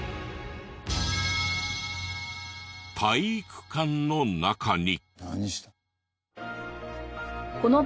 体育館の中に。